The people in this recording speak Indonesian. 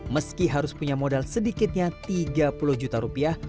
meski harus punya modal sedikitnya tiga puluh juta rupiah